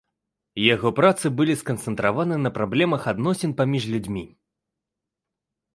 Яго працы былі сканцэнтраваны на праблемах адносін паміж людзьмі.